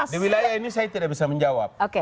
di wilayah ini saya tidak bisa menjawab